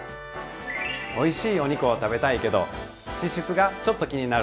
おいしいお肉を食べたいけど脂質がちょっと気になる。